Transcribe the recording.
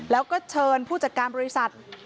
แล้วก็เชิญผู้จัดการบริษัท